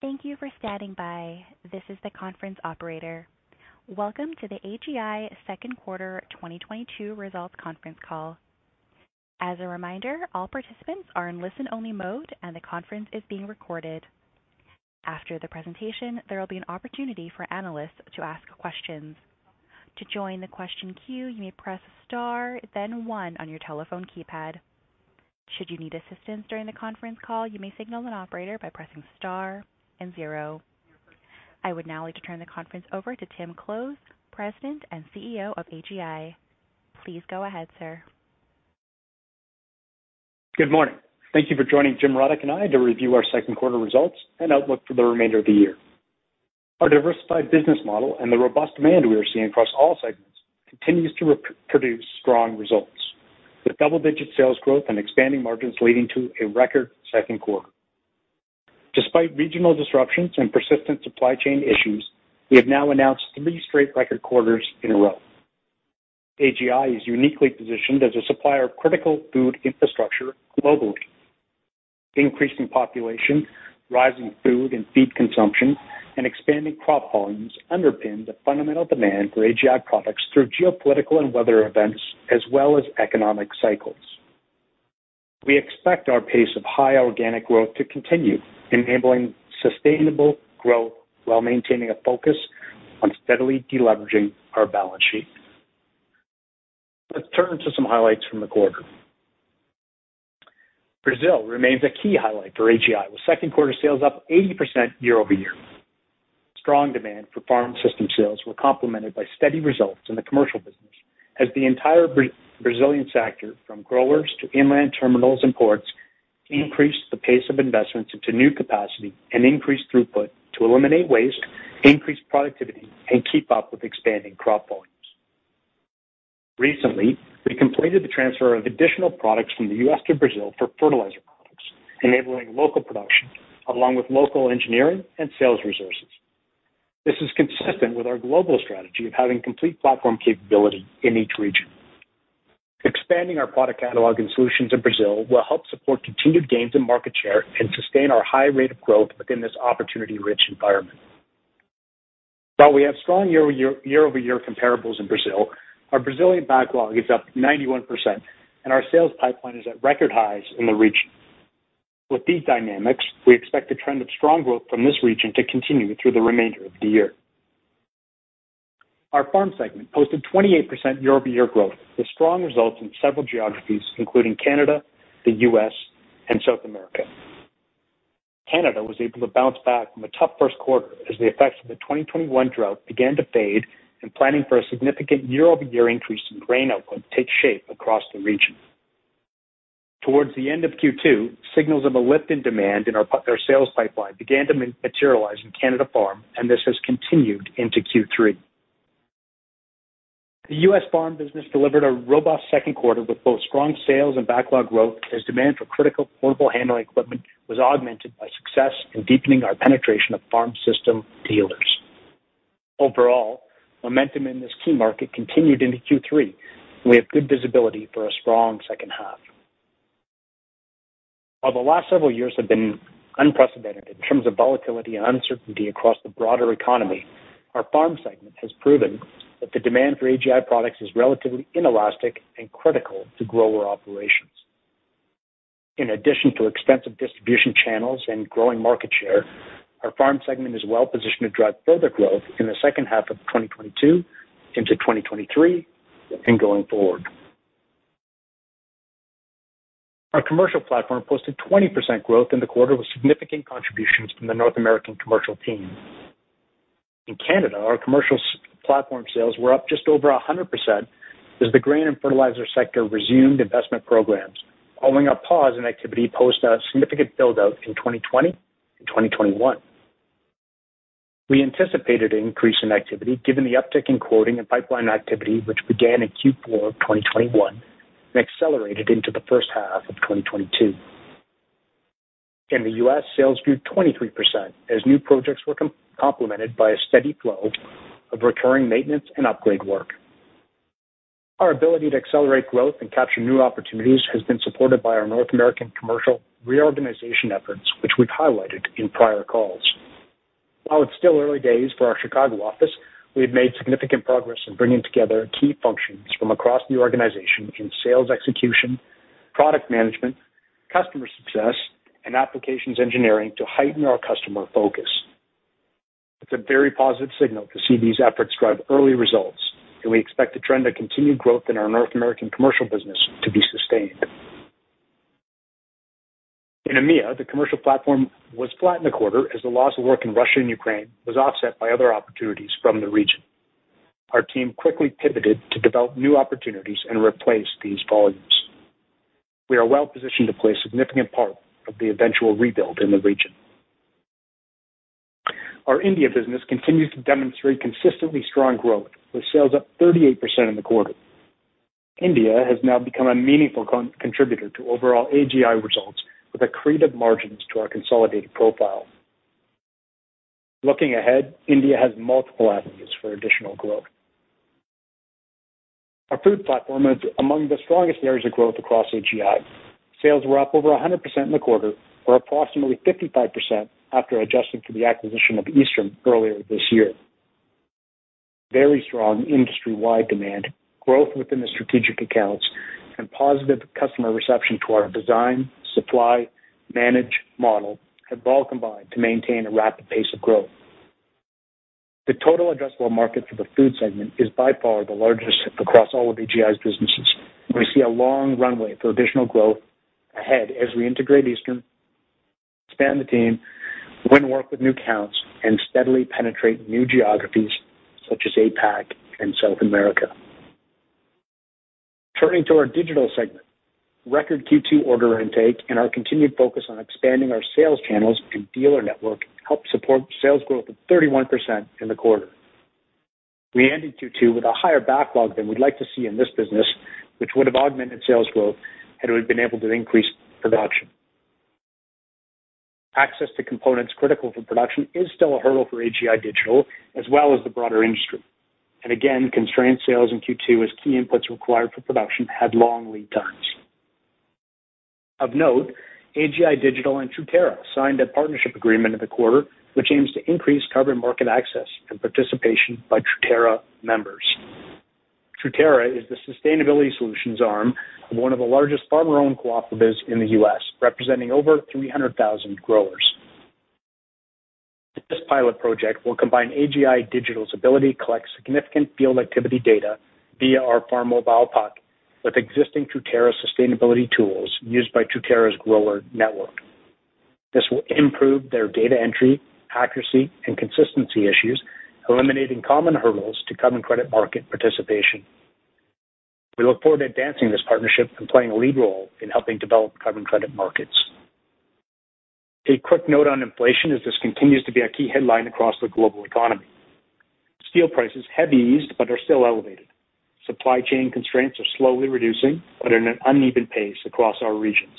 Thank you for standing by. This is the conference operator. Welcome to the AGI Q2 2022 Results Conference Call. As a reminder, all participants are in listen-only mode, and the conference is being recorded. After the presentation, there will be an opportunity for analysts to ask questions. To join the question queue, you may press star then one on your telephone keypad. Should you need assistance during the conference call, you may signal an operator by pressing star and zero. I would now like to turn the conference over to Tim Close, President and CEO of AGI. Please go ahead, sir. Good morning. Thank you for joining Jim Rudyk and I to review our Q2 results and outlook for the remainder of the year. Our diversified business model and the robust demand we are seeing across all segments continues to reproduce strong results, with double-digit sales growth and expanding margins leading to a record Q2. Despite regional disruptions and persistent supply chain issues, we have now announced three straight record quarters in a row. AGI is uniquely positioned as a supplier of critical food infrastructure globally. Increasing population, rising food and feed consumption, and expanding crop volumes underpin the fundamental demand for AGI products through geopolitical and weather events as well as economic cycles. We expect our pace of high organic growth to continue enabling sustainable growth while maintaining a focus on steadily deleveraging our balance sheet. Let's turn to some highlights from the quarter. Brazil remains a key highlight for AGI, with Q2 sales up 80% year-over-year. Strong demand for farm system sales were complemented by steady results in the commercial business as the entire Brazilian sector from growers to inland terminals and ports increased the pace of investments into new capacity and increased throughput to eliminate waste, increase productivity and keep up with expanding crop volumes. Recently, we completed the transfer of additional products from the U.S. to Brazil for fertilizer products, enabling local production along with local engineering and sales resources. This is consistent with our global strategy of having complete platform capability in each region. Expanding our product catalog and solutions in Brazil will help support continued gains in market share and sustain our high rate of growth within this opportunity-rich environment. While we have strong year-over-year comparables in Brazil, our Brazilian backlog is up 91% and our sales pipeline is at record highs in the region. With these dynamics, we expect the trend of strong growth from this region to continue through the remainder of the year. Our farm segment posted 28% year-over-year growth with strong results in several geographies, including Canada, the U.S., and South America. Canada was able to bounce back from a tough Q1 as the effects of the 2021 drought began to fade and planning for a significant year-over-year increase in grain output take shape across the region. Towards the end of Q2, signals of a lift in demand in our sales pipeline began to materialize in Canada farm, and this has continued into Q3. The U.S farm business delivered a robust Q2 with both strong sales and backlog growth as demand for critical portable handling equipment was augmented by success in deepening our penetration of farm system dealers. Overall, momentum in this key market continued into Q3. We have good visibility for a strong second half. While the last several years have been unprecedented in terms of volatility and uncertainty across the broader economy, our farm segment has proven that the demand for AGI products is relatively inelastic and critical to grower operations. In addition to extensive distribution channels and growing market share, our farm segment is well positioned to drive further growth in the second half of 2022 into 2023 and going forward. Our commercial platform posted 20% growth in the quarter with significant contributions from the North American commercial team. In Canada, our Commercial S-Platform sales were up just over 100% as the grain and fertilizer sector resumed investment programs following a pause in activity post a significant build-out in 2020 and 2021. We anticipated an increase in activity given the uptick in quoting and pipeline activity, which began in Q4 of 2021 and accelerated into the first half of 2022. In the U.S, sales grew 23% as new projects were complemented by a steady flow of recurring maintenance and upgrade work. Our ability to accelerate growth and capture new opportunities has been supported by our North American commercial reorganization efforts, which we've highlighted in prior calls. While it's still early days for our Chicago office, we've made significant progress in bringing together key functions from across the organization in sales execution, product management, customer success, and applications engineering to heighten our customer focus. It's a very positive signal to see these efforts drive early results, and we expect the trend of continued growth in our North American commercial business to be sustained. In EMEA, the commercial platform was flat in the quarter as the loss of work in Russia and Ukraine was offset by other opportunities from the region. Our team quickly pivoted to develop new opportunities and replace these volumes. We are well positioned to play a significant part of the eventual rebuild in the region. Our India business continues to demonstrate consistently strong growth, with sales up 38% in the quarter. India has now become a meaningful contributor to overall AGI results with accretive margins to our consolidated profile. Looking ahead, India has multiple avenues for additional growth. Our food platform is among the strongest areas of growth across AGI. Sales were up over 100% in the quarter or approximately 55% after adjusting for the acquisition of Eastern earlier this year. Very strong industry-wide demand, growth within the strategic accounts, and positive customer reception to our design, supply, manage model have all combined to maintain a rapid pace of growth. The total addressable market for the food segment is by far the largest across all of AGI's businesses. We see a long runway for additional growth ahead as we integrate Eastern, expand the team, win work with new accounts, and steadily penetrate new geographies such as APAC and South America. Turning to our digital segment. Record Q2 order intake and our continued focus on expanding our sales channels and dealer network helped support sales growth of 31% in the quarter. We ended Q2 with a higher backlog than we'd like to see in this business, which would have augmented sales growth had we been able to increase production. Access to components critical for production is still a hurdle for AGI Digital as well as the broader industry. Again, constrained sales in Q2 as key inputs required for production had long lead times. Of note, AGI Digital and Truterra signed a partnership agreement in the quarter, which aims to increase carbon market access and participation by Truterra members. Truterra is the sustainability solutions arm of one of the largest farmer-owned cooperatives in the U.S., representing over 300,000 growers. This pilot project will combine AGI Digital's ability to collect significant field activity data via our Farmobile PUC with existing Truterra sustainability tools used by Truterra's grower network. This will improve their data entry, accuracy, and consistency issues, eliminating common hurdles to carbon credit market participation. We look forward to advancing this partnership and playing a lead role in helping develop carbon credit markets. A quick note on inflation as this continues to be a key headline across the global economy. Steel prices have eased but are still elevated. Supply chain constraints are slowly reducing, but at an uneven pace across our regions.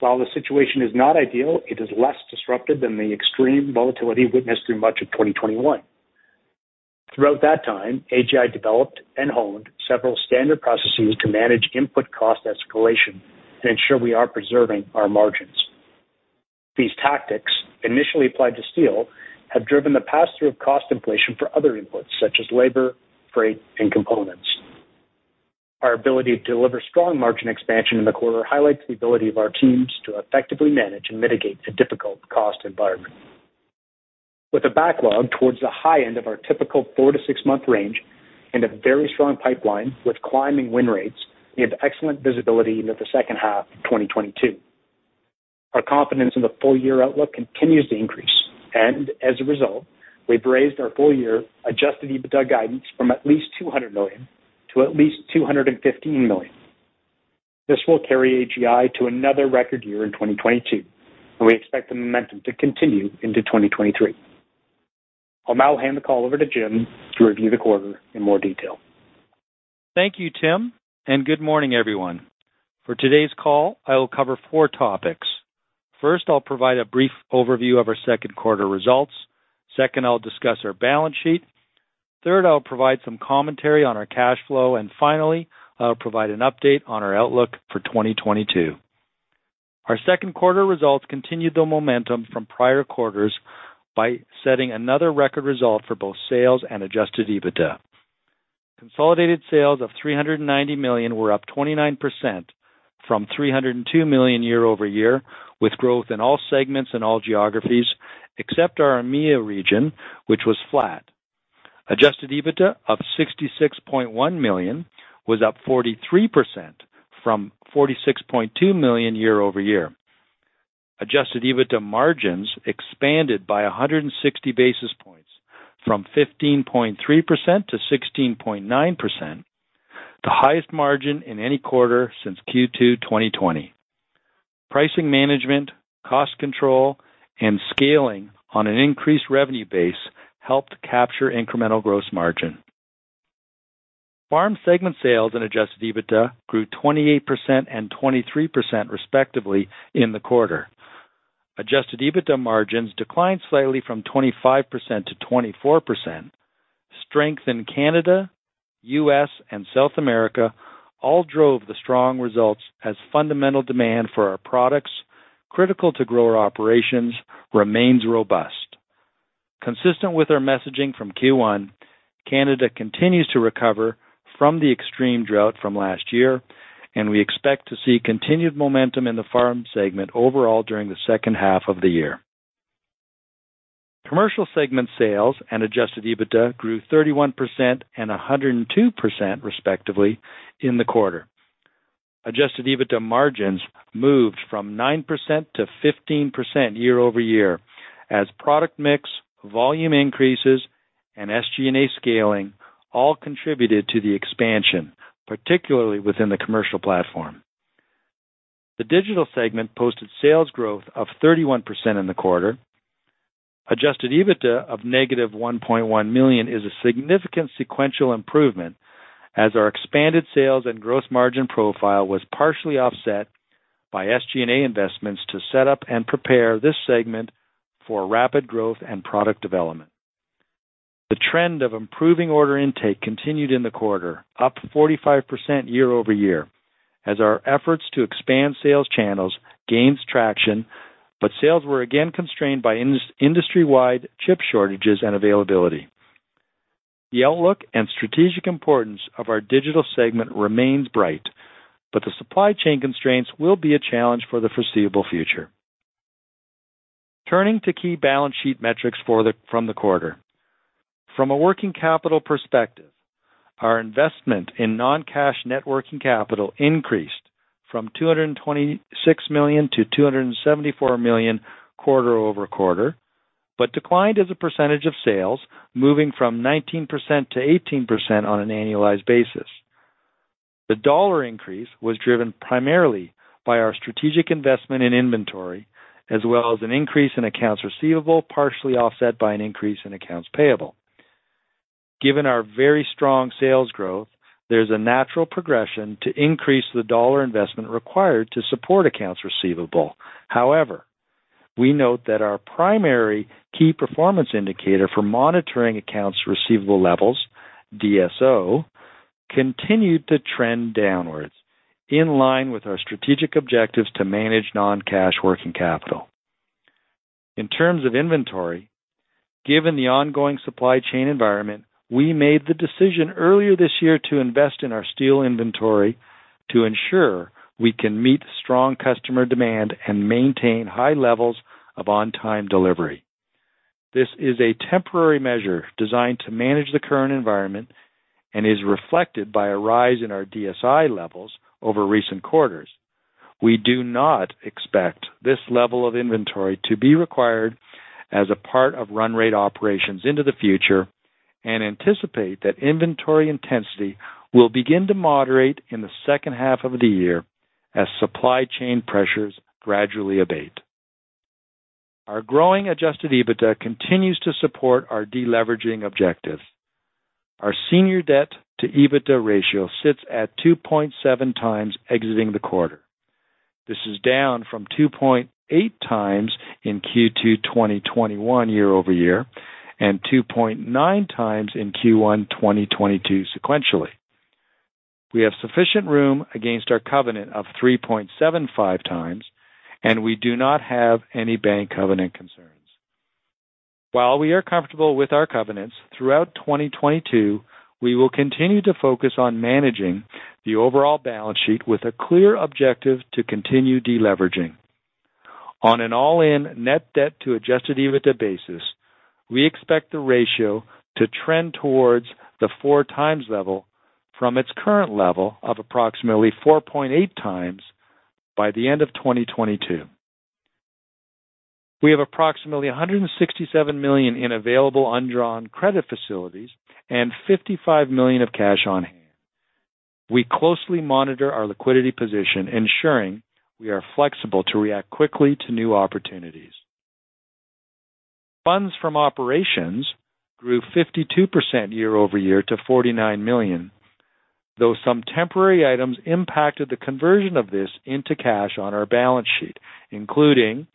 While the situation is not ideal, it is less disruptive than the extreme volatility witnessed through much of 2021. Throughout that time, AGI developed and honed several standard processes to manage input cost escalation to ensure we are preserving our margins. These tactics, initially applied to steel, have driven the pass-through of cost inflation for other inputs such as labor, freight, and components. Our ability to deliver strong margin expansion in the quarter highlights the ability of our teams to effectively manage and mitigate the difficult cost environment. With a backlog towards the high end of our typical 4-6-months range and a very strong pipeline with climbing win rates, we have excellent visibility into the second half of 2022. Our confidence in the full-year outlook continues to increase. As a result, we've raised our full-year Adjusted EBITDA guidance from at least 200 million to at least 215 million. This will carry AGI to another record year in 2022, and we expect the momentum to continue into 2023. I'll now hand the call over to Jim to review the quarter in more detail. Thank you, Tim, and good morning, everyone. For today's call, I will cover four topics. First, I'll provide a brief overview of our Q2 results. Second, I'll discuss our balance sheet. Third, I'll provide some commentary on our cash flow. Finally, I'll provide an update on our outlook for 2022. Our Q2 results continued the momentum from prior quarters by setting another record result for both sales and Adjusted EBITDA. Consolidated sales of 390 million were up 29% from 302 million year-over-year, with growth in all segments and all geographies, except our EMEA region, which was flat. Adjusted EBITDA of 66.1 million was up 43% from 46.2 million year-over-year. Adjusted EBITDA margins expanded by 160 basis points from 15.3% to 16.9%, the highest margin in any quarter since Q2 2020. Pricing management, cost control, and scaling on an increased revenue base helped capture incremental gross margin. Farm segment sales and Adjusted EBITDA grew 28% and 23%, respectively, in the quarter. Adjusted EBITDA margins declined slightly from 25% to 24%. Strength in Canada, U.S, and South America all drove the strong results as fundamental demand for our products critical to grower operations remains robust. Consistent with our messaging from Q1, Canada continues to recover from the extreme drought from last year, and we expect to see continued momentum in the farm segment overall during the second half of the year. Commercial segment sales and Adjusted EBITDA grew 31% and 102%, respectively, in the quarter. Adjusted EBITDA margins moved from 9%-15% year-over-year as product mix, volume increases, and SG&A scaling all contributed to the expansion, particularly within the commercial platform. The digital segment posted sales growth of 31% in the quarter. Adjusted EBITDA of -1.1 million is a significant sequential improvement as our expanded sales and gross margin profile was partially offset by SG&A investments to set up and prepare this segment for rapid growth and product development. The trend of improving order intake continued in the quarter, up 45% year-over-year, as our efforts to expand sales channels gains traction, but sales were again constrained by industry-wide chip shortages and availability. The outlook and strategic importance of our digital segment remains bright, but the supply chain constraints will be a challenge for the foreseeable future. Turning to key balance sheet metrics from the quarter. From a working capital perspective, our investment in non-cash net working capital increased from 226 million-274 million quarter-over-quarter, but declined as a percentage of sales, moving from 19%-18% on an annualized basis. The dollar increase was driven primarily by our strategic investment in inventory, as well as an increase in accounts receivable, partially offset by an increase in accounts payable. Given our very strong sales growth, there's a natural progression to increase the dollar investment required to support accounts receivable. However, we note that our primary key performance indicator for monitoring accounts receivable levels, DSO, continued to trend downwards, in line with our strategic objectives to manage non-cash working capital. In terms of inventory, given the ongoing supply chain environment, we made the decision earlier this year to invest in our steel inventory to ensure we can meet strong customer demand and maintain high levels of on-time delivery. This is a temporary measure designed to manage the current environment and is reflected by a rise in our DSI levels over recent quarters. We do not expect this level of inventory to be required as a part of run rate operations into the future and anticipate that inventory intensity will begin to moderate in the second half of the year as supply chain pressures gradually abate. Our growing Adjusted EBITDA continues to support our deleveraging objective. Our senior debt to EBITDA ratio sits at 2.7x exiting the quarter. This is down from 2.8x in Q2 2021 year-over-year, and 2.9x in Q1 2022 sequentially. We have sufficient room against our covenant of 3.75x, and we do not have any bank covenant concerns. While we are comfortable with our covenants, throughout 2022, we will continue to focus on managing the overall balance sheet with a clear objective to continue deleveraging. On an all-in net debt to Adjusted EBITDA basis, we expect the ratio to trend towards the 4x level from its current level of approximately 4.8x by the end of 2022. We have approximately 167 million in available undrawn credit facilities and 55 million of cash on hand. We closely monitor our liquidity position, ensuring we are flexible to react quickly to new opportunities. Funds from operations grew 52% year-over-year to 49 million, though some temporary items impacted the conversion of this into cash on our balance sheet, including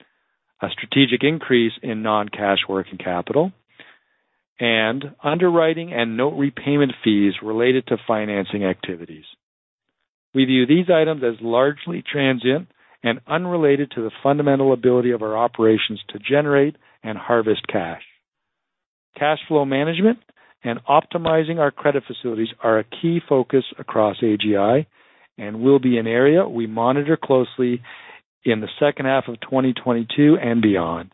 a strategic increase in non-cash working capital and underwriting and note repayment fees related to financing activities. We view these items as largely transient and unrelated to the fundamental ability of our operations to generate and harvest cash. Cash flow management and optimizing our credit facilities are a key focus across AGI and will be an area we monitor closely in the second half of 2022 and beyond.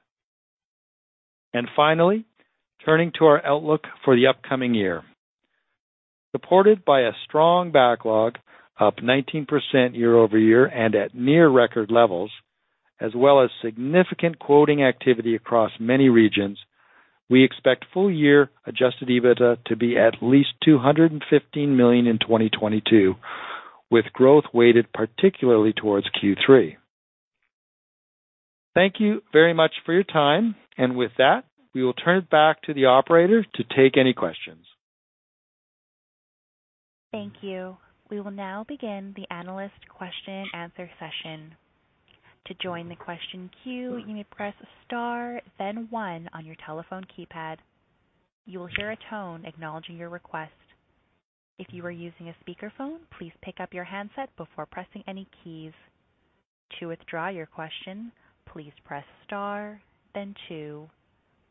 Finally, turning to our outlook for the upcoming year. Supported by a strong backlog, up 19% year-over-year and at near record levels, as well as significant quoting activity across many regions, we expect full year Adjusted EBITDA to be at least 215 million in 2022, with growth weighted particularly towards Q3. Thank you very much for your time. With that, we will turn it back to the operator to take any questions. Thank you. We will now begin the analyst question and answer session. To join the question queue, you may press Star, then one on your telephone keypad. You will hear a tone acknowledging your request. If you are using a speakerphone, please pick up your handset before pressing any keys. To withdraw your question, please press Star then two.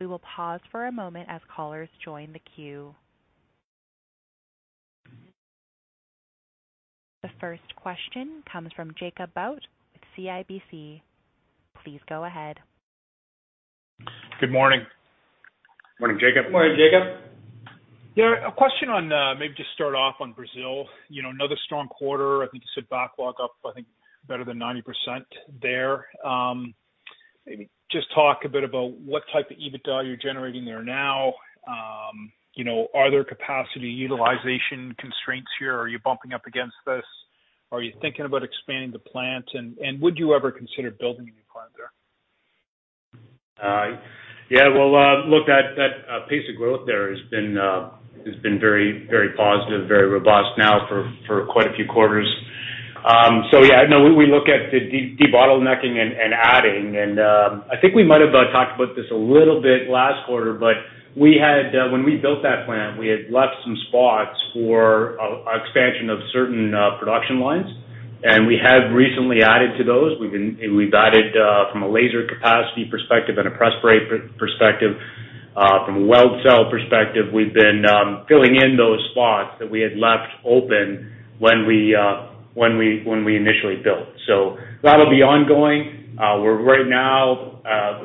We will pause for a moment as callers join the queue. The first question comes from Jacob Bout with CIBC. Please go ahead. Good morning. Morning, Jacob. Morning, Jacob. Yeah, a question on maybe just start off on Brazil. You know, another strong quarter. I think you said backlog up, I think better than 90% there. Maybe just talk a bit about what type of EBITDA you're generating there now. You know, are there capacity utilization constraints here? Are you bumping up against this? Are you thinking about expanding the plant? And would you ever consider building a new plant? Yeah, well, look, that pace of growth there has been very positive, very robust now for quite a few quarters. Yeah, no, we look at the debottlenecking and adding. I think we might have talked about this a little bit last quarter, but when we built that plant, we had left some spots for an expansion of certain production lines, and we have recently added to those. We've added from a laser capacity perspective and a press brake perspective, from a weld cell perspective. We've been filling in those spots that we had left open when we initially built. That'll be ongoing. We're right now,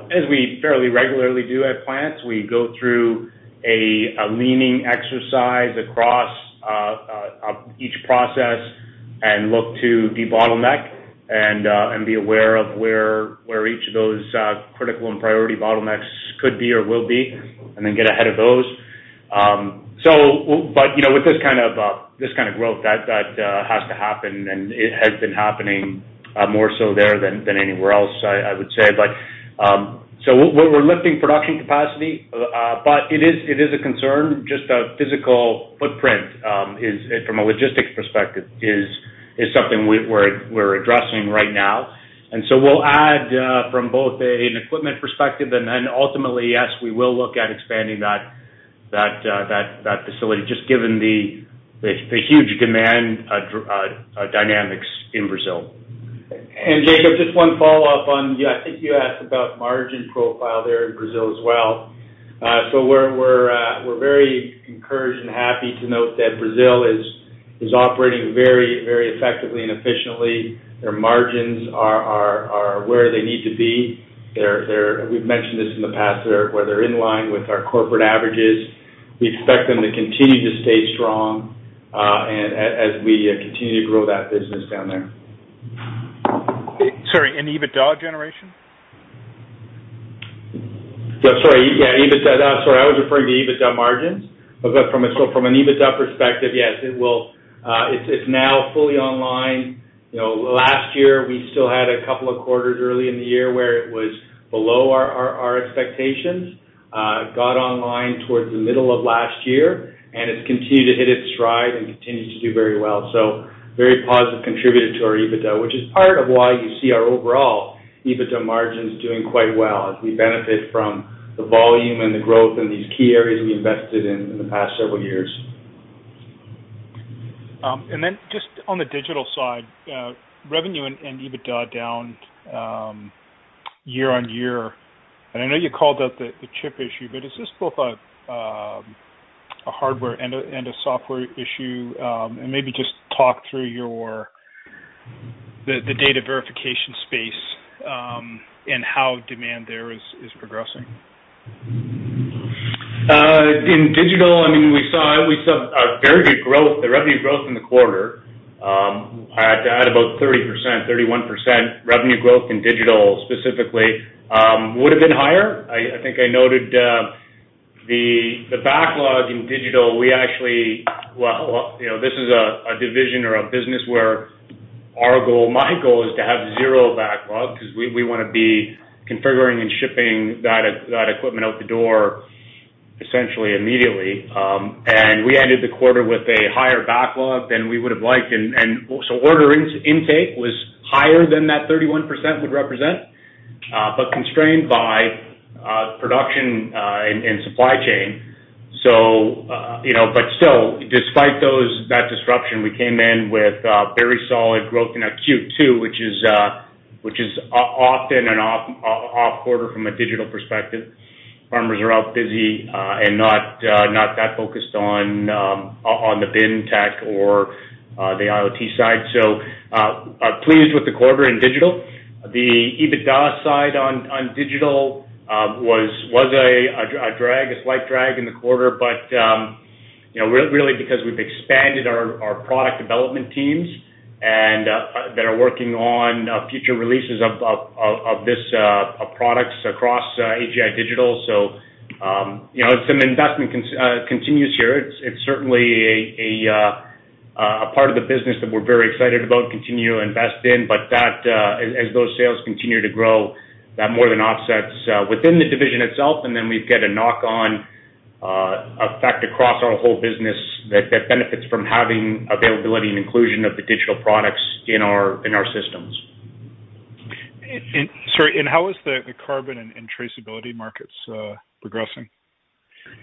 as we fairly regularly do at plants, we go through a lean exercise across each process and look to debottleneck and be aware of where each of those critical and priority bottlenecks could be or will be, and then get ahead of those. You know, with this kind of growth that has to happen, and it has been happening more so there than anywhere else, I would say. We're lifting production capacity, but it is a concern, just a physical footprint from a logistics perspective is something we're addressing right now. We'll add from both an equipment perspective and then ultimately, yes, we will look at expanding that facility, just given the huge demand dynamics in Brazil. Jacob, just one follow-up on. Yeah, I think you asked about margin profile there in Brazil as well. We're very encouraged and happy to note that Brazil is operating very effectively and efficiently. Their margins are where they need to be. They're where they're in line with our corporate averages. We've mentioned this in the past. We expect them to continue to stay strong, and as we continue to grow that business down there. Sorry, EBITDA generation? Yeah, sorry. Yeah, I was referring to EBITDA margins. From an EBITDA perspective, yes, it will. It's now fully online. You know, last year, we still had a couple of quarters early in the year where it was below our expectations. It got online towards the middle of last year, and it's continued to hit its stride and continued to do very well. Very positive contributor to our EBITDA, which is part of why you see our overall EBITDA margins doing quite well as we benefit from the volume and the growth in these key areas we invested in in the past several years. Then just on the digital side, revenue and EBITDA down year on year. I know you called out the chip issue, but is this both a hardware and a software issue? Maybe just talk through the data verification space, and how demand there is progressing. In digital, I mean, we saw a very good growth. The revenue growth in the quarter at about 30%, 31% revenue growth in digital specifically would have been higher. I think I noted the backlog in digital. Well, you know, this is a division or a business where our goal, my goal, is to have zero backlog because we wanna be configuring and shipping that equipment out the door essentially immediately. We ended the quarter with a higher backlog than we would have liked. Order intake was higher than that 31% would represent, but constrained by production and supply chain. You know, but still, despite that disruption, we came in with very solid growth in our Q2, which is often an off quarter from a digital perspective. Farmers are out busy and not that focused on the bin tech or the IoT side. Pleased with the quarter in digital. The EBITDA side on digital was a slight drag in the quarter, but you know, really because we've expanded our product development teams and that are working on future releases of products across AGI Digital. You know, some investment continues here. It's certainly a part of the business that we're very excited about, continue to invest in. As those sales continue to grow, that more than offsets within the division itself, and then we've got a knock-on effect across our whole business that benefits from having availability and inclusion of the digital products in our systems. Sorry, how is the carbon and traceability markets progressing?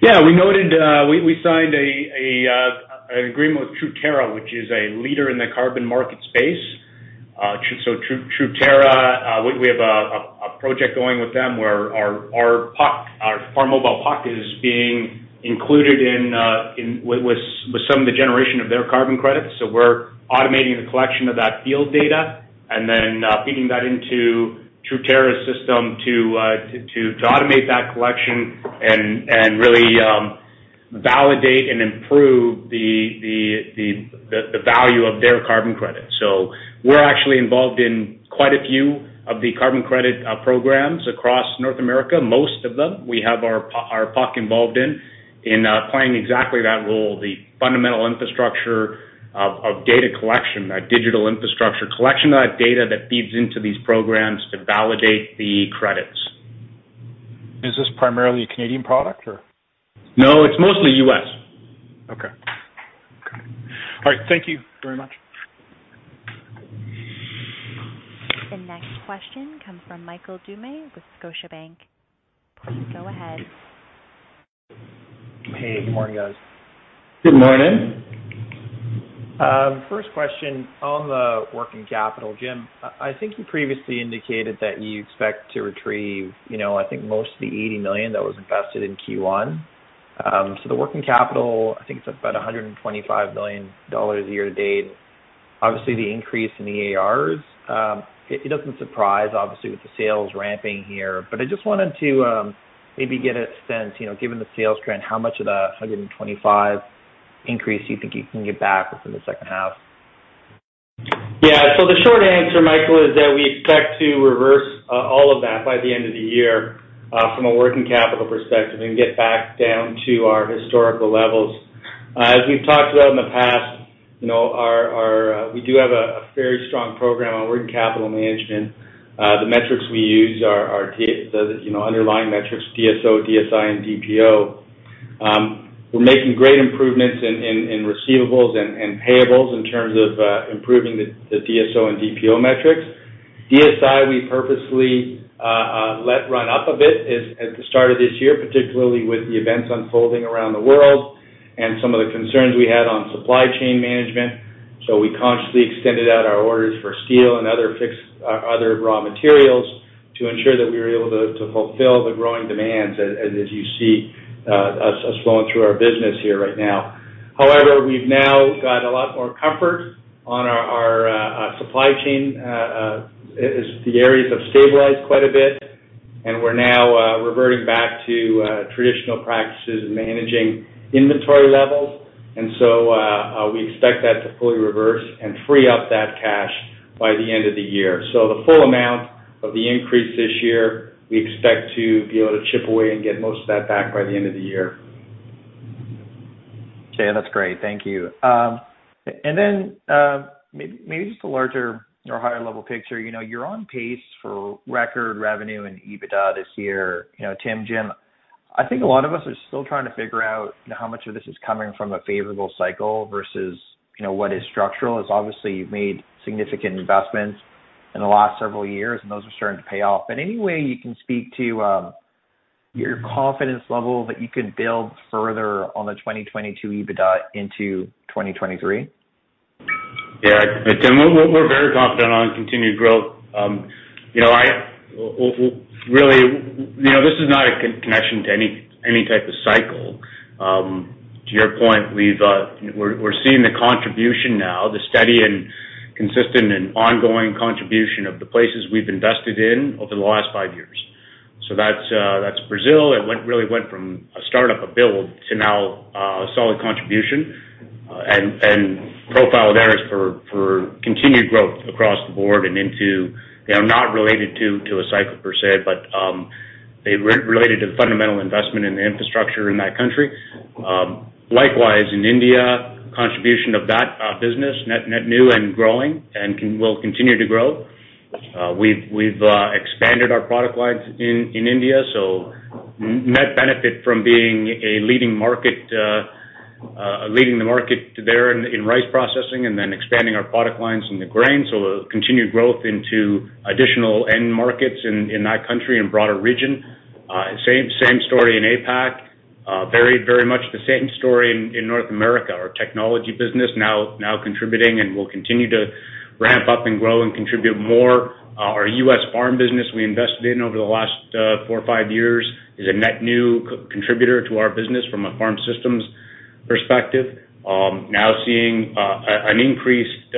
Yeah, we noted we signed an agreement with Truterra, which is a leader in the carbon market space. Truterra, we have a project going with them where our PUC, our Farmobile PUC is being included in with some of the generation of their carbon credits. We're automating the collection of that field data and then feeding that into Truterra's system to automate that collection and really validate and improve the value of their carbon credit. We're actually involved in quite a few of the carbon credit programs across North America. Most of them we have our puck involved in, playing exactly that role, the fundamental infrastructure of data collection, that digital infrastructure collection, that data that feeds into these programs to validate the credits. Is this primarily a Canadian product or? No, it's mostly U.S. Okay. All right. Thank you very much. The next question comes from Michael Doumet with Scotiabank. Please go ahead. Hey, good morning, guys. Good morning. First question on the working capital, Jim. I think you previously indicated that you expect to retrieve, you know, I think most of the 80 million that was invested in Q1. The working capital, I think it's about 125 million dollars year to date. Obviously, the increase in the ARs, it doesn't surprise obviously with the sales ramping here, but I just wanted to maybe get a sense, you know, given the sales trend, how much of the 125 increase you think you can get back within the second half? Yeah. The short answer, Michael, is that we expect to reverse all of that by the end of the year from a working capital perspective and get back down to our historical levels. As we've talked about in the past, you know, we do have a very strong program on working capital management. The metrics we use are the underlying metrics, DSO, DSI, and DPO. We're making great improvements in receivables and payables in terms of improving the DSO and DPO metrics. DSI, we purposely let run up a bit at the start of this year, particularly with the events unfolding around the world and some of the concerns we had on supply chain management. We consciously extended out our orders for steel and other fixed. Other raw materials to ensure that we were able to fulfill the growing demands as you see us flowing through our business here right now. However, we've now got a lot more comfort on our supply chain as the areas have stabilized quite a bit, and we're now reverting back to traditional practices in managing inventory levels. We expect that to fully reverse and free up that cash by the end of the year. The full amount of the increase this year, we expect to be able to chip away and get most of that back by the end of the year. Okay. That's great. Thank you. Maybe just a larger or higher level picture. You know, you're on pace for record revenue and EBITDA this year. You know, Tim, Jim, I think a lot of us are still trying to figure out how much of this is coming from a favorable cycle versus, you know, what is structural. As obviously you've made significant investments in the last several years, and those are starting to pay off. Any way you can speak to your confidence level that you could build further on the 2022 EBITDA into 2023? Yeah. Jim, we're very confident on continued growth. You know, I really, you know, this is not a connection to any type of cycle. To your point, we're seeing the contribution now, the steady and consistent and ongoing contribution of the places we've invested in over the last five years. That's Brazil. It really went from a startup, a build to now a solid contribution, and profile there is for continued growth across the board and into, you know, not related to a cycle per se, but they related to the fundamental investment in the infrastructure in that country. Likewise, in India, contribution of that business net new and growing and will continue to grow. We've expanded our product lines in India, so net benefit from being a leading market, leading the market there in rice processing and then expanding our product lines in the grain. Continued growth into additional end markets in that country and broader region. Same story in APAC. Very much the same story in North America. Our technology business now contributing and will continue to ramp up and grow and contribute more. Our U.S. farm business we invested in over the last four or five years is a net new contributor to our business from a farm systems perspective. Now seeing an increased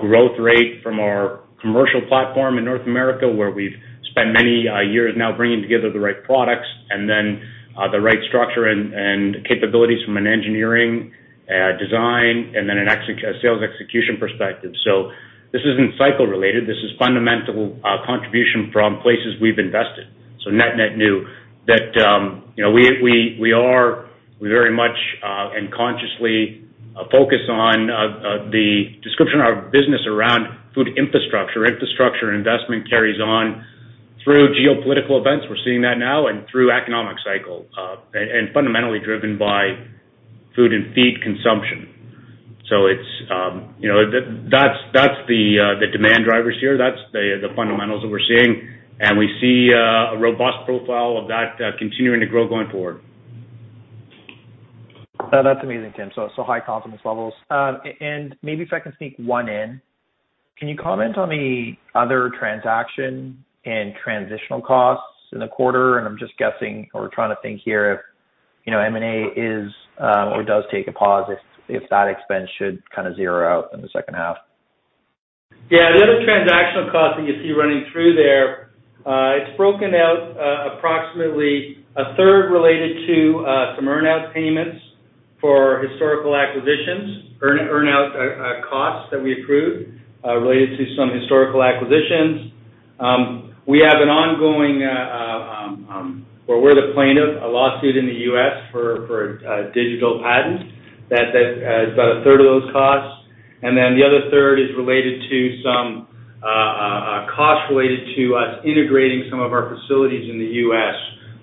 growth rate from our commercial platform in North America, where we've spent many years now bringing together the right products and then the right structure and capabilities from an engineering design, and then a sales execution perspective. This isn't cycle related. This is fundamental contribution from places we've invested. Net new that, you know, we are very much and consciously focus on the description of our business around food infrastructure. Infrastructure investment carries on through geopolitical events, we're seeing that now, and through economic cycle, and fundamentally driven by food and feed consumption. It's, you know. That's the demand drivers here. That's the fundamentals that we're seeing. We see a robust profile of that continuing to grow going forward. That's amazing, Tim. So high confidence levels. Maybe if I can sneak one in. Can you comment on the other transaction and transitional costs in the quarter? I'm just guessing or trying to think here if, you know, M&A is or does take a pause if that expense should kind of zero out in the second half. Yeah. The other transactional cost that you see running through there, it's broken out, approximately a third related to some earn-out payments for historical acquisitions, earn-out costs that we approved, related to some historical acquisitions. We have an ongoing, where we're the plaintiff, a lawsuit in the U.S. for digital patent that has about a third of those costs. The other third is related to some costs related to us integrating some of our facilities in the U.S.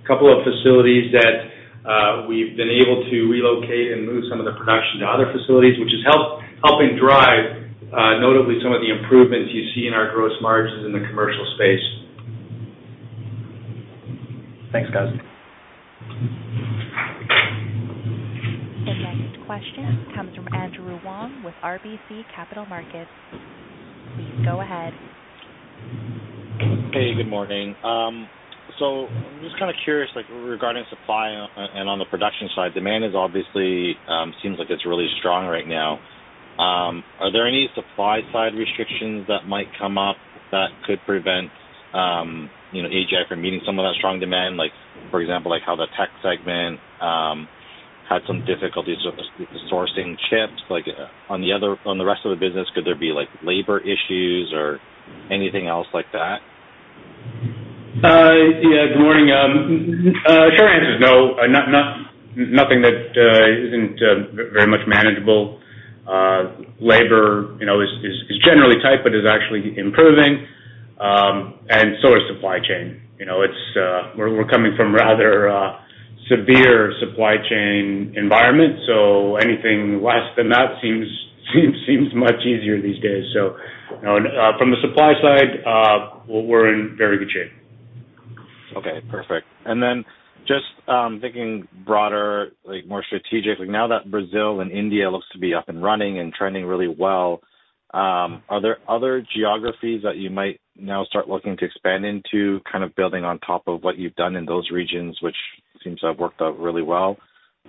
Couple of facilities that we've been able to relocate and move some of the production to other facilities, which has helping drive, notably some of the improvements you see in our gross margins in the commercial space. Thanks, guys. The next question comes from Andrew Wong with RBC Capital Markets. Please go ahead. Hey, good morning. So I'm just kinda curious, like, regarding supply and on the production side, demand is obviously seems like it's really strong right now. Are there any supply side restrictions that might come up that could prevent you know, AGI from meeting some of that strong demand? Like, for example, like how the tech segment had some difficulties with the sourcing chips. Like, on the rest of the business, could there be, like, labor issues or anything else like that? Yeah, good morning. Short answer's no. Not nothing that isn't very much manageable. Labor, you know, is generally tight but is actually improving, and so is supply chain. You know, it's. We're coming from rather severe supply chain environment. Anything less than that seems much easier these days. You know, and from the supply side, we're in very good shape. Okay, perfect. Just thinking broader, like, more strategic. Like, now that Brazil and India looks to be up and running and trending really well, are there other geographies that you might now start looking to expand into, kind of building on top of what you've done in those regions, which seems to have worked out really well?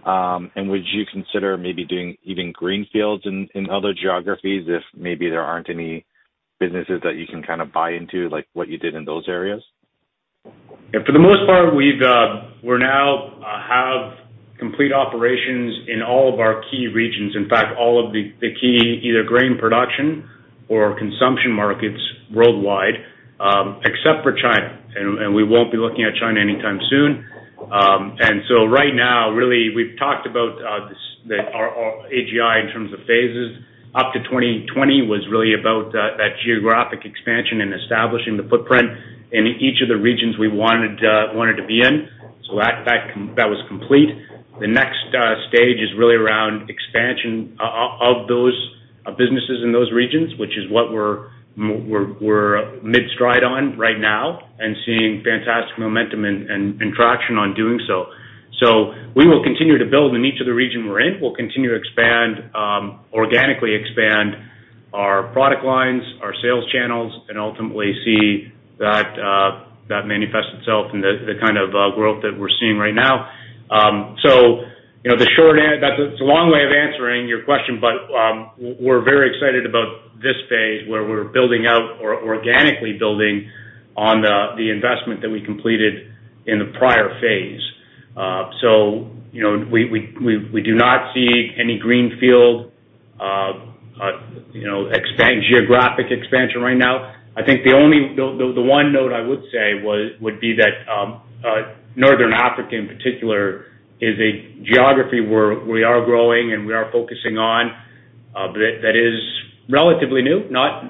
Would you consider maybe doing even greenfields in other geographies if maybe there aren't any businesses that you can kinda buy into, like what you did in those areas? Yeah, for the most part, we now have complete operations in all of our key regions. In fact, all of the key either grain production or consumption markets worldwide, except for China. We won't be looking at China anytime soon. Right now, really we've talked about that our AGI in terms of phases. Up to 2020 was really about that geographic expansion and establishing the footprint in each of the regions we wanted to be in. That was complete. The next stage is really around expansion of those businesses in those regions, which is what we're mid-stride on right now and seeing fantastic momentum and traction on doing so. We will continue to build in each of the region we're in. We'll continue to organically expand our product lines, our sales channels, and ultimately see that that manifests itself in the kind of growth that we're seeing right now. That's a long way of answering your question, but we're very excited about this phase, where we're building out or organically building on the investment that we completed in the prior phase. We do not see any greenfield geographic expansion right now. I think the only one note I would say would be that Northern Africa in particular is a geography where we are growing and we are focusing on, that is relatively new, not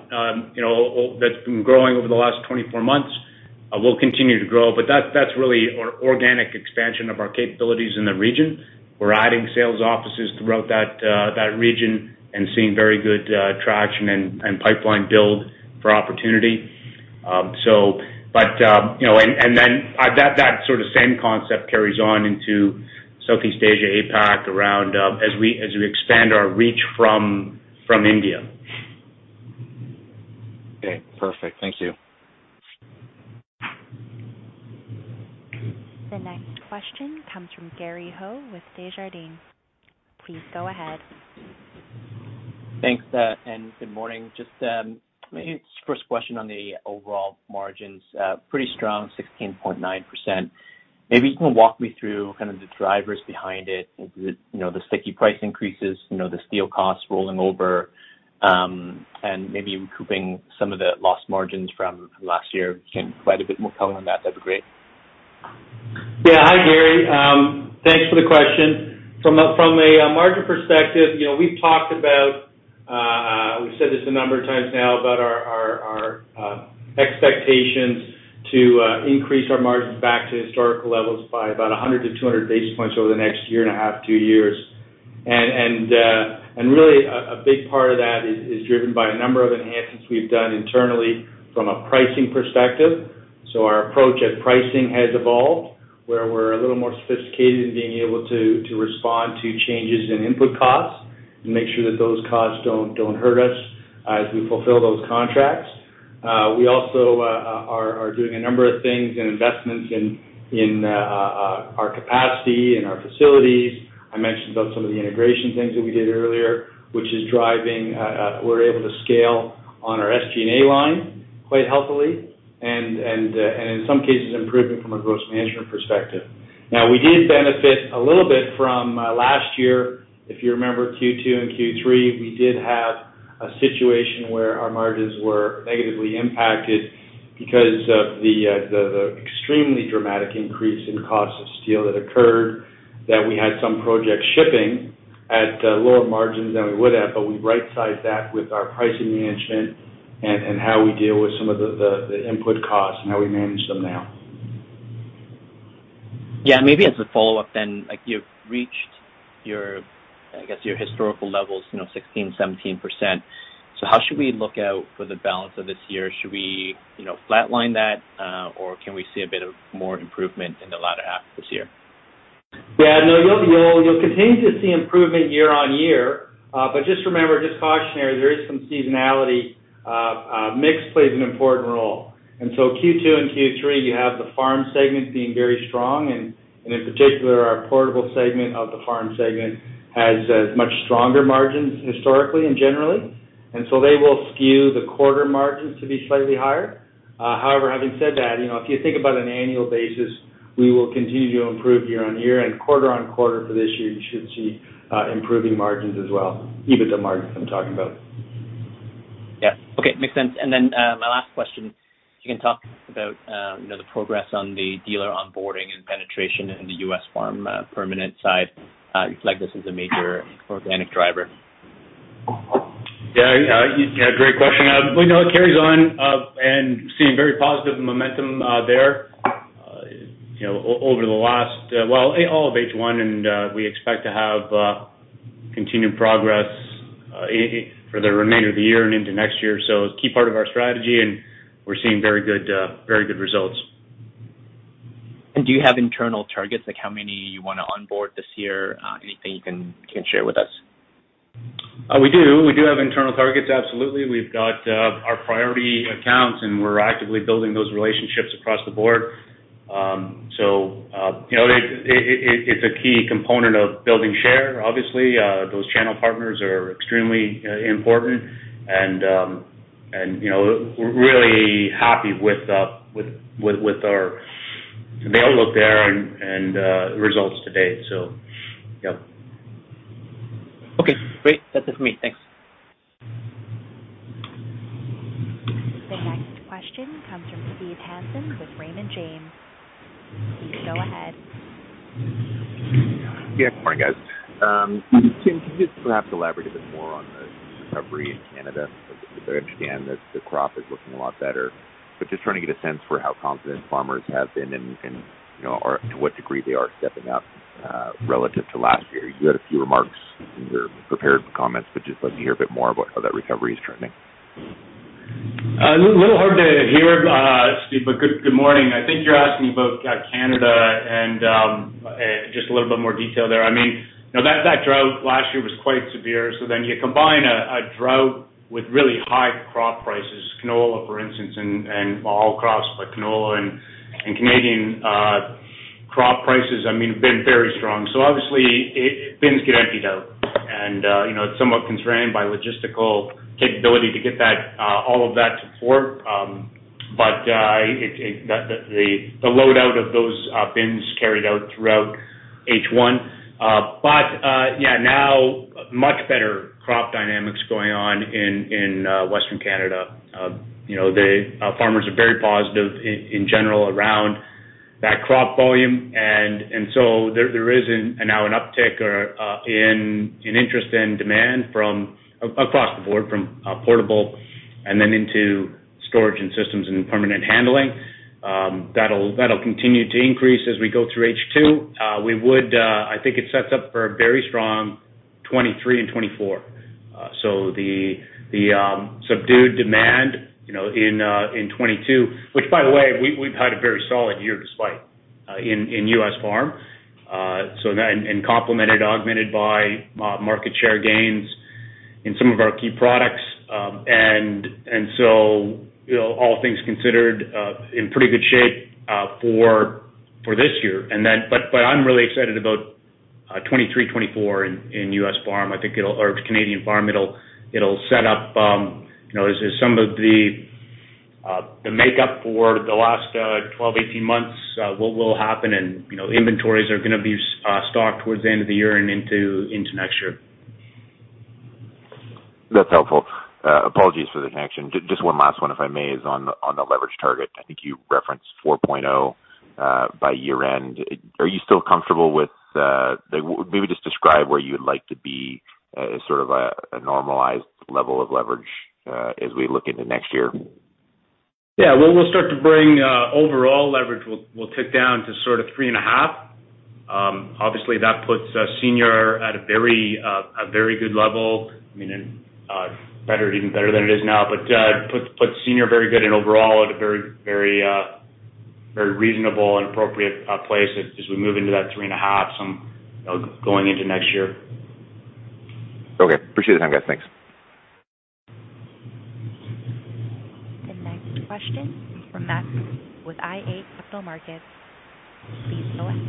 you know. That's been growing over the last 24 months, will continue to grow. That's really organic expansion of our capabilities in the region. We're adding sales offices throughout that region and seeing very good traction and pipeline build for opportunity. You know, then that sort of same concept carries on into Southeast Asia, APAC around, as we expand our reach from India. Okay, perfect. Thank you. The next question comes from Gary Ho with Desjardins. Please go ahead. Thanks. Good morning. Just maybe first question on the overall margins, pretty strong, 16.9%. Maybe you can walk me through kind of the drivers behind it. Is it, you know, the sticky price increases? You know, the steel costs rolling over, and maybe recouping some of the lost margins from last year. If you can give quite a bit more color on that'd be great. Yeah. Hi, Gary. Thanks for the question. From a margin perspective, you know, we've talked about, we've said this a number of times now about our expectations to increase our margins back to historical levels by about 100-200 basis points over the next year and a half, two years. Really a big part of that is driven by a number of enhancements we've done internally from a pricing perspective. Our approach at pricing has evolved, where we're a little more sophisticated in being able to respond to changes in input costs and make sure that those costs don't hurt us as we fulfill those contracts. We also are doing a number of things and investments in our capacity and our facilities. I mentioned about some of the integration things that we did earlier, which is driving. We're able to scale on our SG&A line quite healthily and in some cases improving from a gross margin perspective. Now we did benefit a little bit from last year. If you remember Q2 and Q3, we did have a situation where our margins were negatively impacted because of the extremely dramatic increase in cost of steel that occurred, that we had some project shipping at lower margins than we would have, but we right-sized that with our pricing management and how we deal with some of the input costs and how we manage them now. Yeah. Maybe as a follow-up then, like, you've reached your, I guess, your historical levels, you know, 16%, 17%. How should we look out for the balance of this year? Should we, you know, flatline that, or can we see a bit more improvement in the latter half of this year? Yeah, no. You'll continue to see improvement year-on-year. But just remember, just cautionary, there is some seasonality. Mix plays an important role. Q2 and Q3, you have the farm segment being very strong, and in particular, our portable segment of the farm segment has much stronger margins historically and generally. They will skew the quarter margins to be slightly higher. However, having said that, you know, if you think about an annual basis, we will continue to improve year-on-year, and quarter-on-quarter for this year, you should see improving margins as well, EBITDA margins I'm talking about. Yeah. Okay. Makes sense. My last question. If you can talk about, you know, the progress on the dealer onboarding and penetration in the U.S. farm permanent side. You flag this as a major organic driver. Yeah. Yeah, great question. We know it carries on, and seeing very positive momentum, there, you know, over the last, well, in all of H1, and we expect to have continued progress for the remainder of the year and into next year. It's key part of our strategy, and we're seeing very good results. Do you have internal targets, like how many you wanna onboard this year? Anything you can share with us? We do. We do have internal targets, absolutely. We've got our priority accounts, and we're actively building those relationships across the board. You know, it's a key component of building share, obviously. Those channel partners are extremely important and, you know, we're really happy with our available there and results to date. Yeah. Okay, great. That's it for me. Thanks. The next question comes from Steve Hansen with Raymond James. Please go ahead. Yeah. Good morning, guys. Tim, can you just perhaps elaborate a bit more on the recovery in Canada? 'Cause I understand that the crop is looking a lot better, but just trying to get a sense for how confident farmers have been and you know or to what degree they are stepping up relative to last year. You had a few remarks in your prepared comments, but just let me hear a bit more about how that recovery is trending. Little hard to hear, Steve, but good morning. I think you're asking about Canada and just a little bit more detail there. I mean, you know, that drought last year was quite severe. You combine a drought with really high crop prices, canola, for instance, and all crops, but canola and Canadian crop prices, I mean, have been very strong. Obviously, bins get emptied out. You know, it's somewhat constrained by logistical capability to get that all of that to port. The load out of those bins carried out throughout H1. Yeah, now much better crop dynamics going on in Western Canada. You know, the farmers are very positive in general around that crop volume. There is now an uptick in interest and demand from across the board, from portable and then into storage and systems and permanent handling. That'll continue to increase as we go through H2. I think it sets up for a very strong 2023 and 2024. The subdued demand, you know, in 2022, which by the way, we've had a very solid year despite in U.S. farm, complemented, augmented by market share gains in some of our key products. You know, all things considered, in pretty good shape for this year. But I'm really excited about 2023, 2024 in U.S. farm. I think it'll or Canadian farm. It'll set up, you know, as some of the makeup for the last 12-18 months, what will happen and, you know, inventories are gonna be stocked towards the end of the year and into next year. That's helpful. Apologies for the connection. Just one last one, if I may, is on the leverage target. I think you referenced 4.0 by year-end. Are you still comfortable with the, maybe just describe where you would like to be as sort of a normalized level of leverage as we look into next year? Yeah. Well, we'll start to bring overall leverage will tick down to sort of 3.5. Obviously, that puts senior at a very good level. I mean, better, even better than it is now. Put senior very good and overall at a very reasonable and appropriate place as we move into that 3.5, you know, going into next year. Okay. Appreciate the time, guys. Thanks. The next question is from Matt with iA Capital Markets. Please go ahead.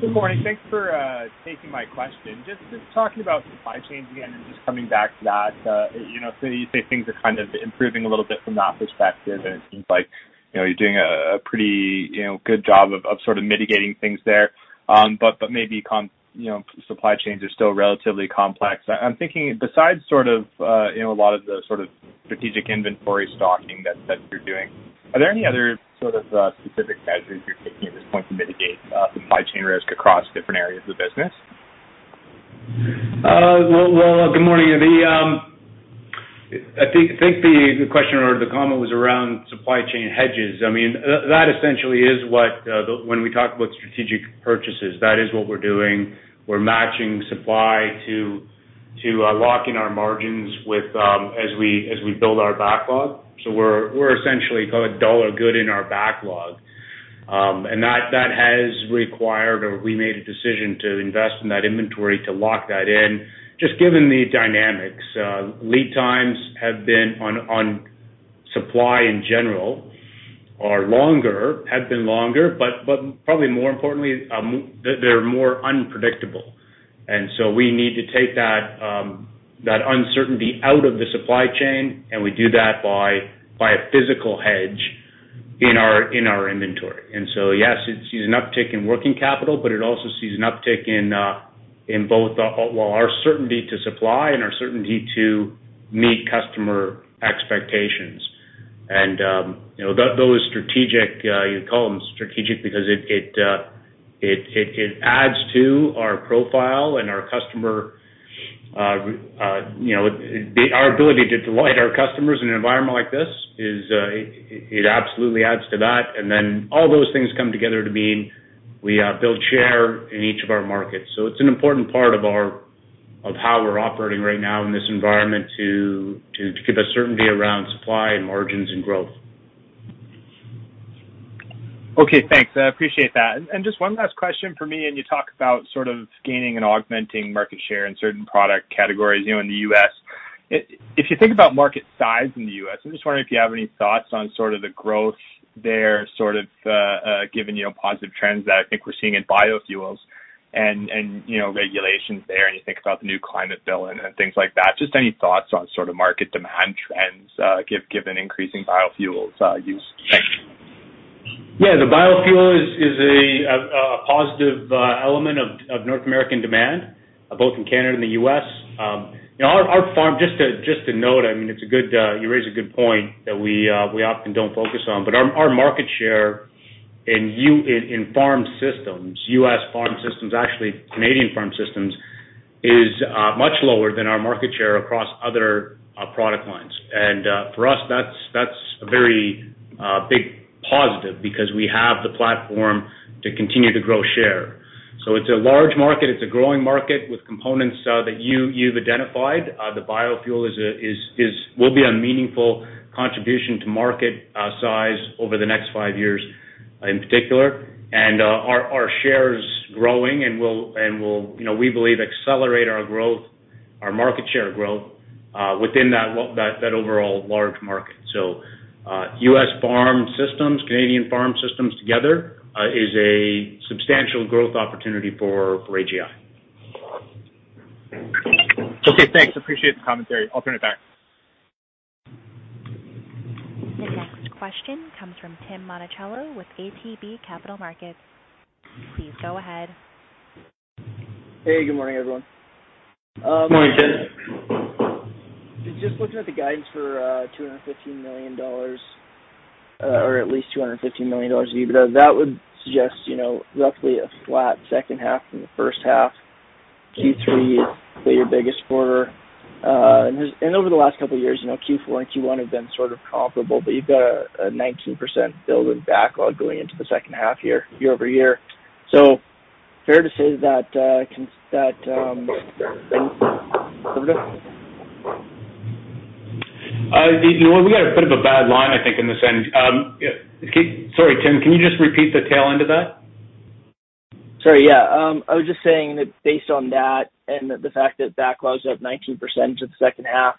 Good morning. Thanks for taking my question. Just talking about supply chains again and just coming back to that. You know, so you say things are kind of improving a little bit from that perspective, and it seems like, you know, you're doing a pretty, you know, good job of sort of mitigating things there. Maybe you know, supply chains are still relatively complex. I'm thinking besides sort of, you know, a lot of the sort of strategic inventory stocking that you're doing, are there any other sort of specific measures you're taking at this point to mitigate supply chain risk across different areas of the business? Well, good morning. I think the question or the comment was around supply chain hedges. I mean, that essentially is what. When we talk about strategic purchases, that is what we're doing. We're matching supply to lock in our margins with, as we build our backlog. We're essentially going dollar good in our backlog. That has required or we made a decision to invest in that inventory to lock that in, just given the dynamics. Lead times on supply in general have been longer, but probably more importantly, they're more unpredictable. We need to take that uncertainty out of the supply chain, and we do that by a physical hedge in our inventory. Yes, it sees an uptick in working capital, but it also sees an uptick in both, well, our certainty to supply and our certainty to meet customer expectations. You know, those strategic, you call them strategic because it adds to our profile and our customer, you know. Our ability to delight our customers in an environment like this is, it absolutely adds to that. Then all those things come together to mean we build share in each of our markets. It's an important part of how we're operating right now in this environment to give us certainty around supply and margins and growth. Okay, thanks. I appreciate that. Just one last question for me. You talk about sort of gaining and augmenting market share in certain product categories, you know, in the U.S. If you think about market size in the U.S, I'm just wondering if you have any thoughts on sort of the growth there, sort of given, you know, positive trends that I think we're seeing in biofuels and you know, regulations there, and you think about the new climate bill and things like that. Just any thoughts on sort of market demand trends, given increasing biofuels use? Thanks. Yeah. The biofuel is a positive element of North American demand both in Canada and the U.S. You know, just to note, I mean, it's a good point you raise that we often don't focus on, but our market share in farm systems, U.S. farm systems, actually Canadian farm systems, is much lower than our market share across other product lines. For us, that's a very big positive because we have the platform to continue to grow share. It's a large market. It's a growing market with components that you've identified. The biofuel will be a meaningful contribution to market size over the next five years in particular. Our share is growing and will, you know, we believe, accelerate our growth, our market share growth within that overall large market. U.S farm systems, Canadian farm systems together is a substantial growth opportunity for AGI. Okay, thanks. Appreciate the commentary. I'll turn it back. The next question comes from Tim Monachello with ATB Capital Markets. Please go ahead. Hey, good morning, everyone. Morning, Tim. Just looking at the guidance for 215 million dollars or at least 215 million dollars EBITDA, that would suggest, you know, roughly a flat second half from the first half. Q3 is your biggest quarter. Over the last couple of years, you know, Q4 and Q1 have been sort of comparable, but you've got a 19% build in backlog going into the second half year-over-year. Fair to say that consensus that. You know what? We got a bit of a bad line, I think, in this end. Yeah. Sorry, Tim, can you just repeat the tail end of that? Sorry, yeah. I was just saying that based on that and the fact that backlog's up 19% into the second half,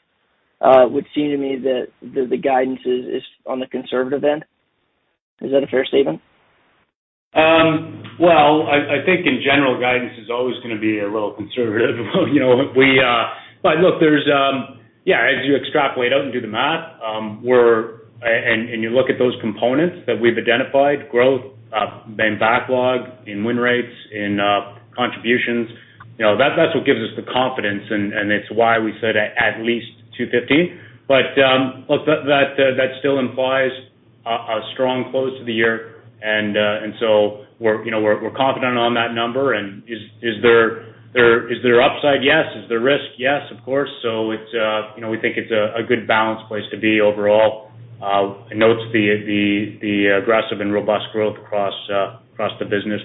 would seem to me that the guidance is on the conservative end. Is that a fair statement? Well, I think in general, guidance is always gonna be a little conservative, you know. Yeah, as you extrapolate out and do the math, and you look at those components that we've identified, growth, then backlog in win rates, in contributions, you know, that's what gives us the confidence and it's why we said at least 215. Look, that still implies a strong close to the year. We're, you know, confident on that number. Is there upside? Yes. Is there risk? Yes, of course. It's, you know, we think it's a good balanced place to be overall. It notes the aggressive and robust growth across the business.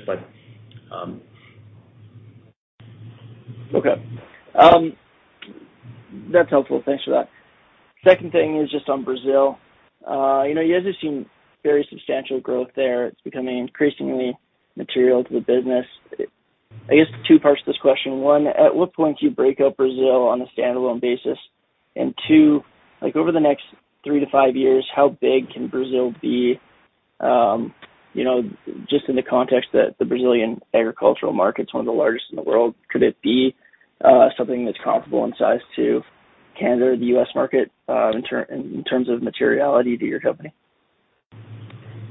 Okay. That's helpful. Thanks for that. Second thing is just on Brazil. You know, you guys have seen very substantial growth there. It's becoming increasingly material to the business. I guess two parts to this question. One, at what point do you break out Brazil on a standalone basis? Two, like over the next 3-5 years, how big can Brazil be, you know, just in the context that the Brazilian agricultural market is one of the largest in the world, could it be something that's comparable in size to Canada or the U.S. market, in terms of materiality to your company?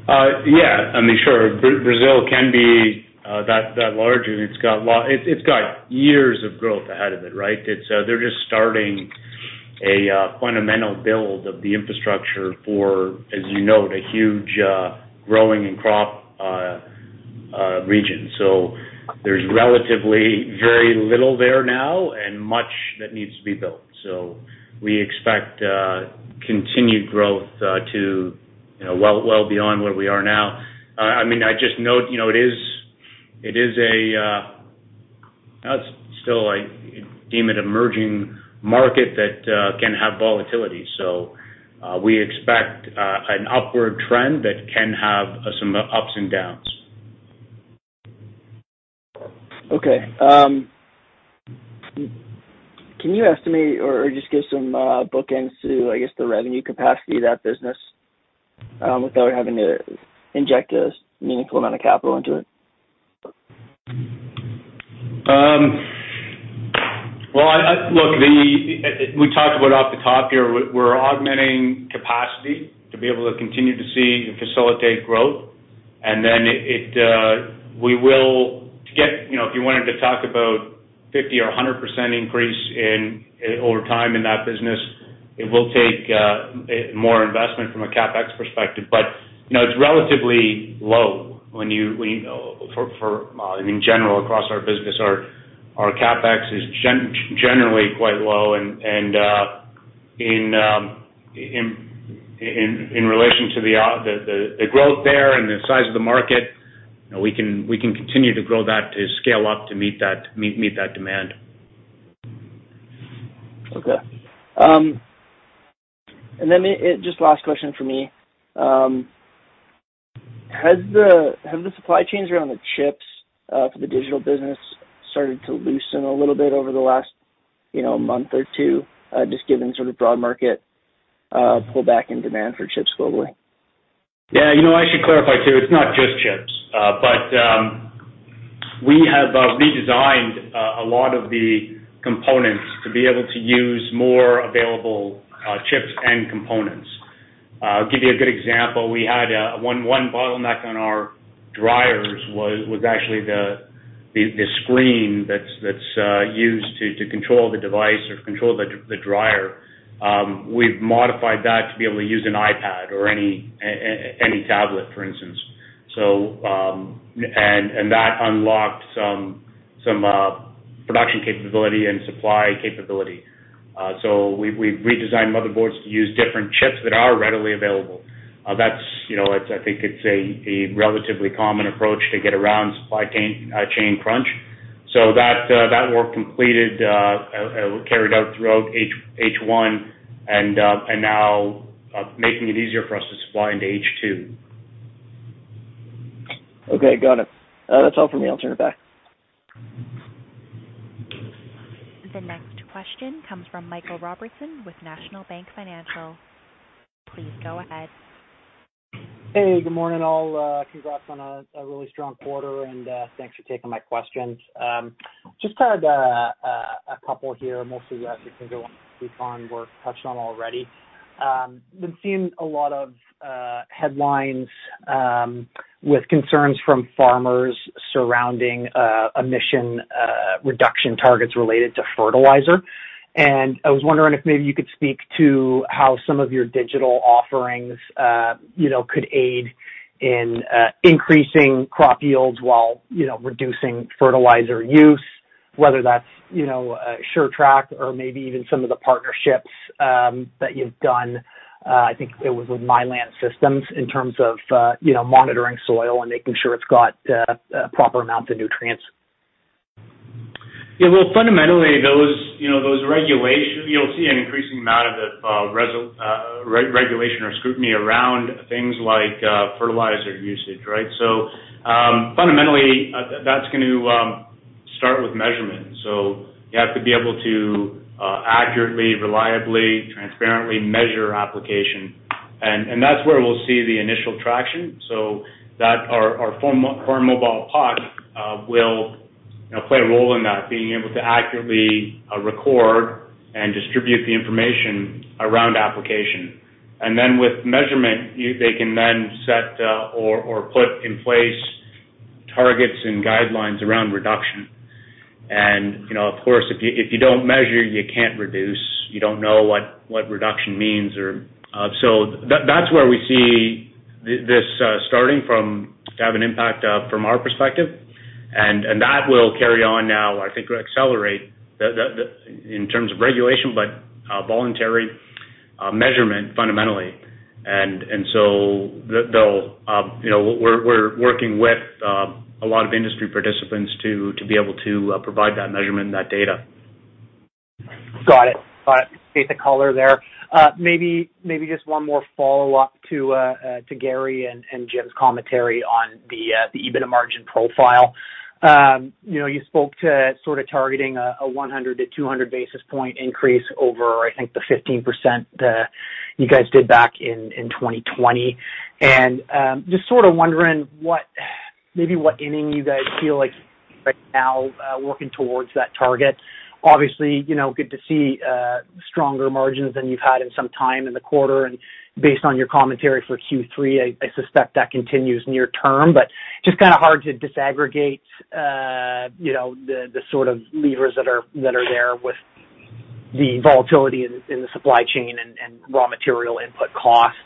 Yeah. I mean, sure, Brazil can be that large. I mean, it's got years of growth ahead of it, right? They're just starting a fundamental build of the infrastructure for, as you know, the huge growing crop region. So there's relatively very little there now and much that needs to be built. So we expect continued growth to, you know, well beyond where we are now. I mean, I just note, you know, it's still an emerging market that can have volatility. So we expect an upward trend that can have some ups and downs. Okay. Can you estimate or just give some bookends to, I guess, the revenue capacity of that business without having to inject a meaningful amount of capital into it? Well, look, we talked about off the top here. We're augmenting capacity to be able to continue to see and facilitate growth. You know, if you wanted to talk about 50% or 100% increase over time in that business, it will take more investment from a CapEx perspective. You know, it's relatively low. In general, across our business, our CapEx is generally quite low. In relation to the growth there and the size of the market, you know, we can continue to grow that to scale up to meet that demand. Okay. Just last question for me. Have the supply chains around the chips for the digital business started to loosen a little bit over the last, you know, month or two, just given sort of broad market pullback in demand for chips globally? Yeah. You know, I should clarify too, it's not just chips. We have redesigned a lot of the components to be able to use more available chips and components. I'll give you a good example. We had one bottleneck on our dryers was actually the screen that's used to control the device or control the dryer. We've modified that to be able to use an iPad or any tablet, for instance. That unlocked some production capability and supply capability. We've redesigned motherboards to use different chips that are readily available. That's, you know, it's I think it's a relatively common approach to get around supply chain crunch. That work completed carried out throughout H1 and now making it easier for us to supply into H2. Okay, got it. That's all for me. I'll turn it back. The next question comes from Michael Robertson with National Bank Financial. Please go ahead. Hey, good morning all. Congrats on a really strong quarter, and thanks for taking my questions. Just had a couple here, mostly touched on already. Been seeing a lot of headlines with concerns from farmers surrounding emissions reduction targets related to fertilizer. I was wondering if maybe you could speak to how some of your digital offerings, you know, could aid in increasing crop yields while, you know, reducing fertilizer use, whether that's, you know, SureTrack or maybe even some of the partnerships that you've done, I think it was with MyLand in terms of you know monitoring soil and making sure it's got proper amounts of nutrients. Yeah. Well, fundamentally, those regulations, you know, you'll see an increasing amount of re-regulation or scrutiny around things like fertilizer usage, right? Fundamentally, that's going to start with measurement. You have to be able to accurately, reliably, transparently measure application. That's where we'll see the initial traction so that our Farmobile will, you know, play a role in that, being able to accurately record and distribute the information around application. Then with measurement, they can then set or put in place targets and guidelines around reduction. You know, of course, if you don't measure, you can't reduce, you don't know what reduction means. That's where we see this starting from to have an impact from our perspective. That will carry on now. I think accelerate in terms of regulation, but voluntary measurement fundamentally. Though, you know, we're working with a lot of industry participants to be able to provide that measurement and that data. Got it. Basic color there. Maybe just one more follow-up to Gary and Jim's commentary on the EBITDA margin profile. You know, you spoke to sort of targeting a 100-200 basis point increase over, I think the 15% you guys did back in 2020. Just sort of wondering what inning you guys feel like right now, working towards that target. Obviously, you know, good to see stronger margins than you've had in some time in the quarter. Based on your commentary for Q3, I suspect that continues near term, but just kind of hard to disaggregate, you know, the sort of levers that are there with the volatility in the supply chain and raw material input costs.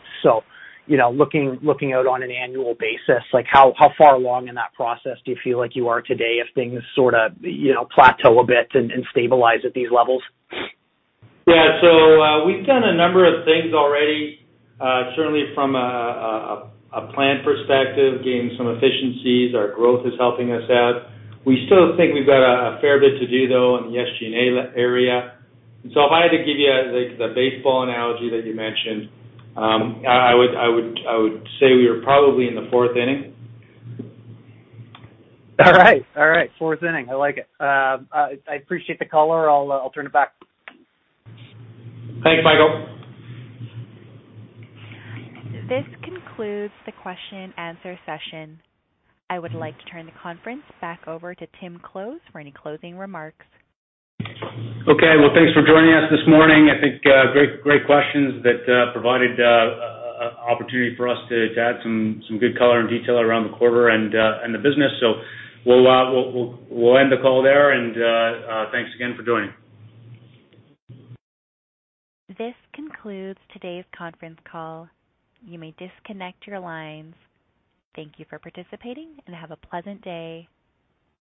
You know, looking out on an annual basis, like how far along in that process do you feel like you are today if things sorta, you know, plateau a bit and stabilize at these levels? Yeah. We've done a number of things already, certainly from a plan perspective, gaining some efficiencies. Our growth is helping us out. We still think we've got a fair bit to do though in the SG&A area. If I had to give you, like, the baseball analogy that you mentioned, I would say we were probably in the fourth inning. All right. Fourth inning. I like it. I appreciate the color. I'll turn it back. Thanks, Michael. This concludes the question-answer session. I would like to turn the conference back over to Tim Close for any closing remarks. Okay. Well, thanks for joining us this morning. I think, great questions that provided opportunity for us to add some good color and detail around the quarter and the business. We'll end the call there, and thanks again for joining. This concludes today's conference call. You may disconnect your lines. Thank you for participating, and have a pleasant day.